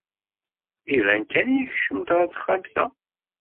Iban kan yekcem-d ɣer texxamt-a.